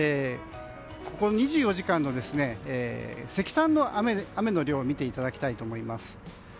ここ２４時間の積算の雨の量を見ていただきたいと思います。